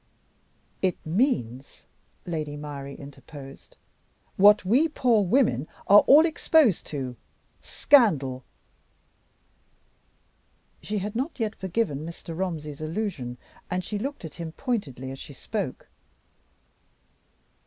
"It means," Lady Myrie interposed, "what we poor women are all exposed to scandal." She had not yet forgiven Mr. Romsey's allusion, and she looked at him pointedly as she spoke.